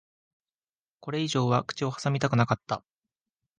これ以上は口を挟みたくなかった。